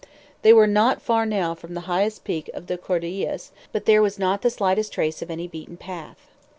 They were not far now from the highest peak of the Cordilleras, but there was not the slightest trace of any beaten path.